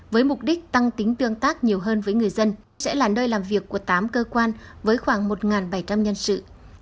với mục đích tăng tính tương tác nhiều hơn với người dân sẽ là nơi làm việc của tám cơ quan với khoảng một bảy trăm linh nhân sự